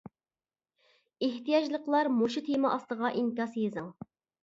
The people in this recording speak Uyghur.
ئېھتىياجلىقلار مۇشۇ تېما ئاستىغا ئىنكاس يېزىڭ.